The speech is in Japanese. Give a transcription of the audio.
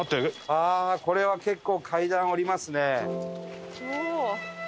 ああーこれは結構階段下りますね。